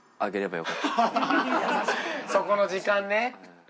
そこの時間ね。